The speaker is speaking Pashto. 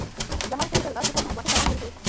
له هغه ګوند سره لاس یو کول چې حکومت ته تاوان ورسوي.